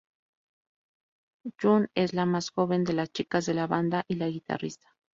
Jun es la más joven de las chicas de la banda, y la guitarrista.